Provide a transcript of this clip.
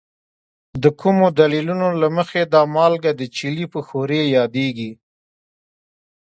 د کومو دلیلونو له مخې دا مالګه د چیلي په ښورې یادیږي؟